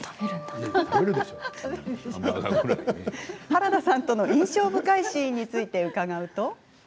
原田さんとの印象深いシーンについて伺うと。